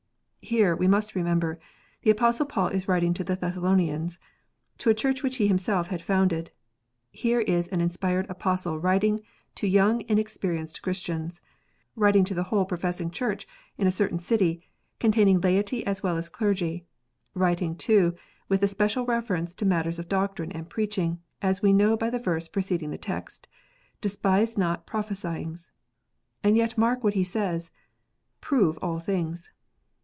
Here, we must remember, the Apostle Paul is writing to the Thessalonians, to a Church which he himself had founded. Here is an inspired Apostle writing to young inexperienced Christians, writing to the whole professing Church in a certain city, ^ containing laity as well as clergy, writing, too, with especial reference to matters of doctrine and preaching, as we know by the verse preceding the text :" Despise not pro phesy ings." And yet mark what he says, "Prove all things."